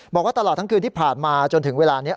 บอกว่าตลอดทั้งคืนที่ผ่านมาจนถึงเวลานี้